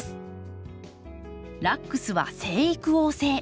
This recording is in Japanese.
ラックスは生育旺盛。